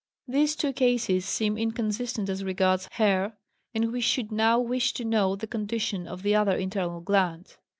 These two cases seem inconsistent as regards hair, and we should now wish to know the condition of the other internal glands.